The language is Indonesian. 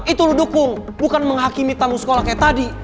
itu lu dukung bukan menghakimi tamu sekolah kayak tadi